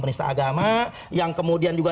penista agama yang kemudian juga